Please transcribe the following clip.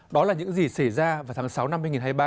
đó là những gì xảy ra vào tháng sáu năm hai nghìn hai mươi ba